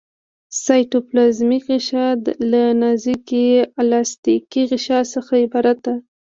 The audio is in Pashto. سایټوپلازمیک غشا له نازکې الستیکي غشا څخه عبارت ده.